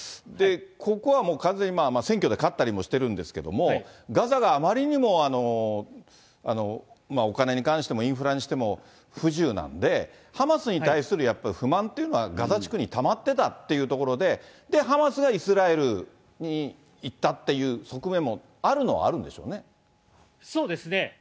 ここはもう完全に選挙で勝ったりもしてるんですけども、ガザがあまりにも、お金に関しても、インフラにしても不自由なんで、ハマスに対するやっぱり不満というのは、ガザ地区にたまってたっていうところで、ハマスがイスラエルに行ったっていう側面もあるのはあるんでしょそうですね。